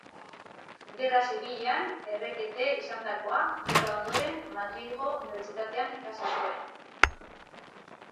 Gerra Zibilean errekete izandakoa, gerra ondoren Madrilgo Unibertsitatean ikasi zuen.